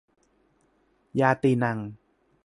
ญาตีนัง